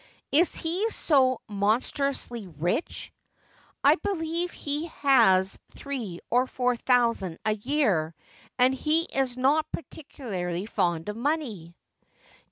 ' Is he so monstrously rich ]'' I believe lie has three or four thousand a year, and he is not particularly fond of money.'